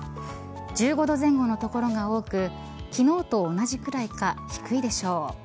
１５度前後の所が多く昨日と同じくらいか低いでしょう。